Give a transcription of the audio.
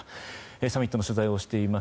サミットの取材をしています